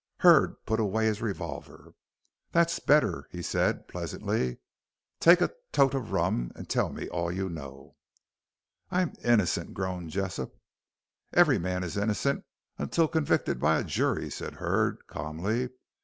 Hurd put away his revolver. "That's better," said he, pleasantly; "take a tot of rum and tell me all you know." "I'm innocent," groaned Jessop. "Every man is innocent until convicted by a jury," said Hurd, calmly.